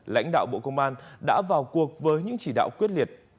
lãnh đạo bộ công an đã vào cuộc với những chỉ đạo quyết liệt